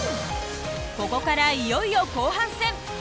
ここからいよいよ後半戦。